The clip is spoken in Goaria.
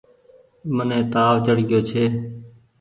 مني تآو چڙگيو ڇي۔